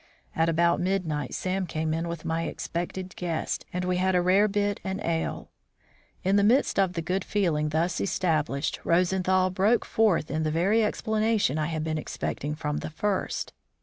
At about midnight Sam came in with my expected guest, and we had a rarebit and ale. In the midst of the good feeling thus established, Rosenthal broke forth in the very explanation I had been expecting from the first.